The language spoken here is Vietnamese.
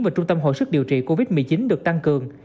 và trung tâm hồi sức điều trị covid một mươi chín được tăng cường